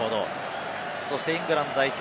そしてイングランド代表